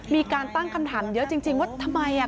มีการตั้งคำถามเยอะจริงว่าทำไมอ่ะ